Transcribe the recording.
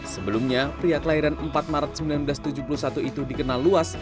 sebelumnya pria kelahiran empat maret seribu sembilan ratus tujuh puluh satu itu dikenal luas